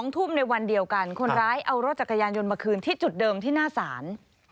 ทุ่มในวันเดียวกันคนร้ายเอารถจักรยานยนต์มาคืนที่จุดเดิมที่หน้าศาล